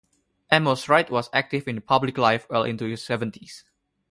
Amos Wright was active in public life well into his seventies.